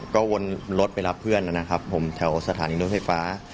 ก็วนรถไปรับเพื่อนนะครับผมแถวสถานีรถไฟฟ้า